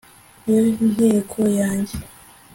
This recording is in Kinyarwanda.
niyo ntego yanjye